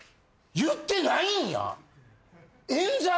言ってないんや！